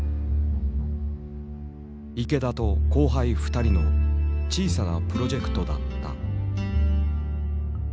池田と後輩２人の小さなプロジェクトだった。